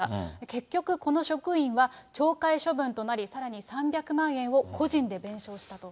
結局、この職員は、懲戒処分となり、さらに３００万円を個人で弁償したと。